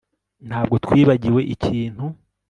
Ntabwo twibagiwe ikintu